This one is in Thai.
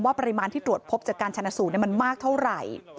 ปริมาณที่ตรวจพบจากการชนะสูตรมันมากเท่าไหร่